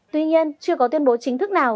tuy nhiên chưa có tuyên bố chính thức nào